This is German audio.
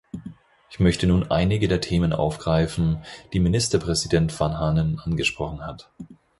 Ich möchte nun einige der Themen aufgreifen, die Ministerpräsident Vanhanen angesprochen hat.